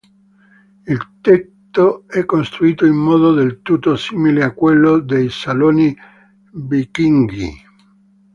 Il tetto è costruito in modo del tutto simile a quello dei saloni vichinghi.